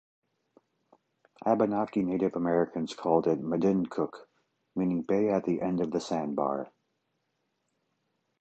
Abenaki Native Americans called it Meduncook, meaning bay at the end of the sandbar.